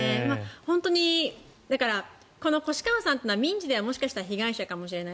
本当にこの越川さんというのは民事ではもしかしたら被害者かもしれない。